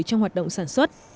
trong hoạt động sản xuất